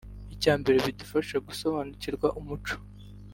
Icya mbere bidufasha gusobanukirwa umuco